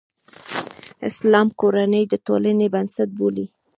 اسلام کورنۍ د ټولنې بنسټ بولي.